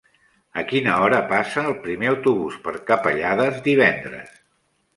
A quina hora passa el primer autobús per Capellades divendres?